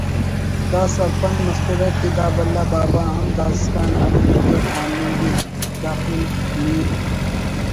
دا سرپند مسرہ کہ دا بھلا بابا ہم داسکان الف بے خواننگ ءِ) داپن (میم